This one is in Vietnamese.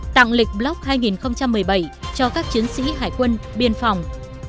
tặng lịch block hai nghìn một mươi bảy cho các chiến sĩ hải quân biên phòng